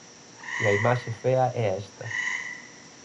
E a imaxe fea é esta.